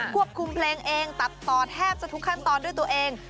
ควบคุมเพลงเองตัดต่อแทบจะทุกขั้นตอนด้วยตัวเอง